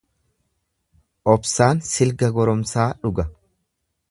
Obsaan silga goromsaa dhuga.